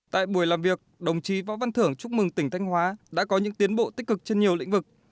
tại buổi làm việc đồng chí võ văn thưởng chúc mừng tỉnh thanh hóa đã có những tiến bộ tích cực trên nhiều lĩnh vực